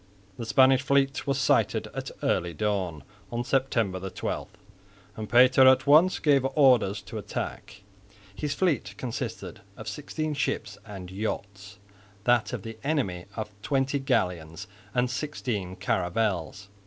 The Spanish fleet was sighted at early dawn on September 12, and Pater at once gave orders to attack. His fleet consisted of sixteen ships and yachts, that of the enemy of twenty galleons and sixteen caravels.